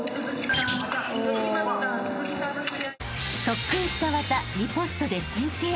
［特訓した技リポストで先制］